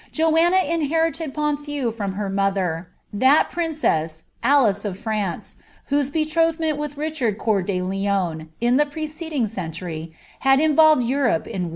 Joanna inherited Ponthieu from her her^ — that princess, Alice of France, whose betrothment with Rich Coeur de Lion, in the preceding century, had involved Europe in